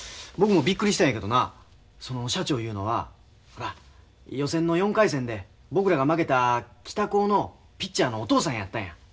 僕もびっくりしたんやけどなその社長いうのはほら予選の４回戦で僕らが負けた北高のピッチャーのお父さんやったんや。